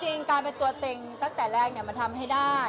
จริงการเป็นตัวเต็งตั้งแต่แรกมันทำให้ได้